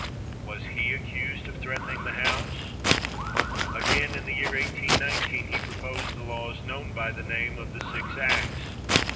Was he accused of threatening the House ? Again, in the year 1819, he proposed the laws known by the name of the Six Acts.